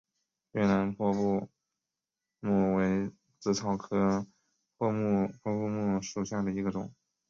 越南破布木为紫草科破布木属下的一个种。